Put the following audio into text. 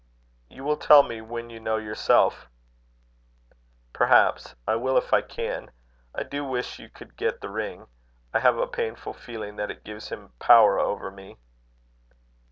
"You will tell me when you know yourself?" "Perhaps. I will, if I can. I do wish you could get the ring. I have a painful feeling that it gives him power over me."